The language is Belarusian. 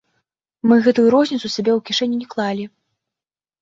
Мы гэтую розніцу сабе ў кішэню не клалі.